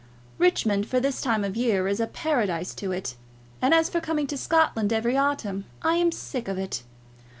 Richmond for this time of the year is a paradise to it; and as for coming to Scotland every autumn, I am sick of it.